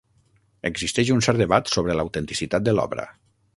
Existeix un cert debat sobre l'autenticitat de l'obra.